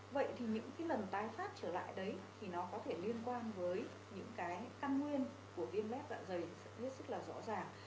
vậy thì những cái lần tái phát trở lại đấy thì nó có thể liên quan với những cái căn nguyên của viên lép dạ dày rất là rõ ràng